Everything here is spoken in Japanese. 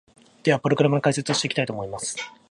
では、プログラムの解説をしていきたいと思います！